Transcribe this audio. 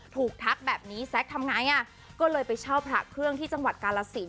ทักแบบนี้แซ็กทำไงอ่ะก็เลยไปเช่าพระเครื่องที่จังหวัดกาลสิน